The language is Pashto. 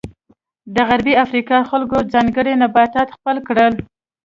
د غربي افریقا خلکو ځانګړي نباتات خپل کړل.